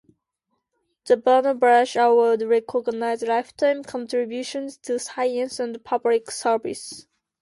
The Vannevar Bush Award recognizes life-time contributions to science and public service.